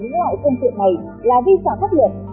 những loại công tiện này là vi phạm pháp liệt